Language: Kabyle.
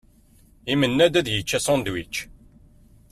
Imenna-d ad yečč asunedwič.